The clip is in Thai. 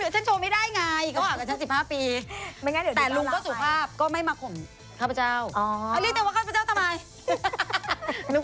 โชว์เหนือไหมเธอโชว์เหนือ